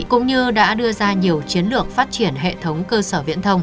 cũng như đã đưa ra nhiều chiến lược phát triển hệ thống cơ sở viễn thông